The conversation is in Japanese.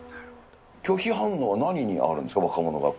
拒否反応は何にあるんですか？